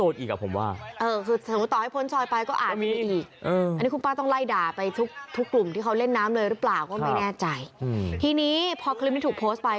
ทีนี้พอคลิปนี้ถูกโพสต์ไป